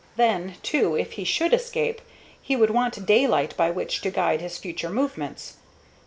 Then, too, if he should escape, he would want daylight by which to guide his future movements.